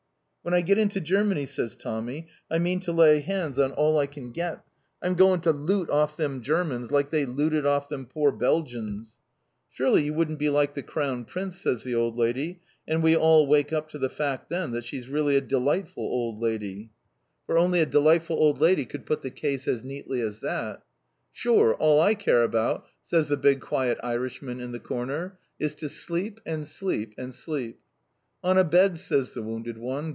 "When I git into Germany," says Tommy, "I mean to lay hands on all I can git! I'm goin' to loot off them Germans, like they looted off them pore Beljins!" "Surely you wouldn't be like the Crown Prince," says the old lady, and we all wake up to the fact then that she's really a delightful old lady, for only a delightful old lady could put the case as neatly as that. "Shure, all I care about," says the big, quiet Irishman in the corner, "is to sleep and sleep and sleep!" "On a bed," says the wounded one.